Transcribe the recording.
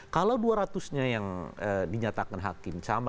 kalau dua ratus nya yang dinyatakan hakim sama